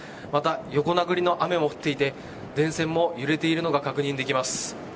横殴りの雨も降っていて電線も揺れているのが確認できます。